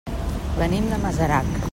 Venim de Masarac.